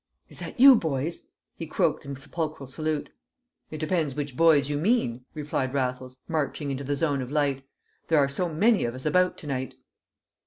"Is that you, boys?" he croaked in sepulchral salute. "It depends which boys you mean," replied Raffles, marching into the zone of light. "There are so many of us about to night!"